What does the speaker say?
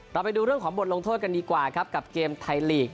ไปดูเรื่องของบทลงโทษกันดีกว่าครับกับเกมไทยลีก